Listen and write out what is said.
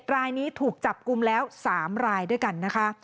รายนี้ถูกจับกลุ่มแล้ว๓รายด้วยกันนะคะ